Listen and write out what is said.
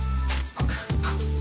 あっ。